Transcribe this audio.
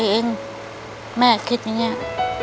แม่เองแม่คิดแบบเนี้ย